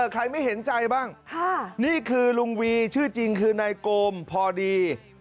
ใครไม่เห็นใจบ้างนี่คือลุงวีชื่อจริงคือนายโกมพอดี